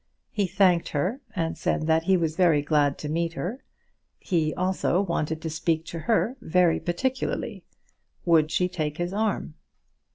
He thanked her, and said that he was very glad to meet her. He also wanted to speak to her very particularly. Would she take his arm?